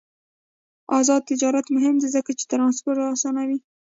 آزاد تجارت مهم دی ځکه چې ترانسپورت اسانوي.